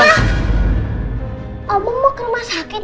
omah omah mau ke rumah sakit